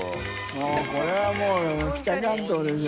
發これはもう北関東でしょ。